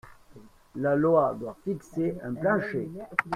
La loi doit fixer un plancher.